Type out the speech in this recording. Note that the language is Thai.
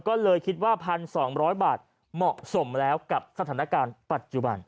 ก็เลยคิดว่า๑๒๐๐บาทเหมาะสมแล้วกับสถานการณ์ปัจจุบัน